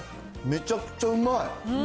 めちゃくちゃうまい。